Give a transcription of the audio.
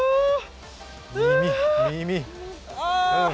耳、耳。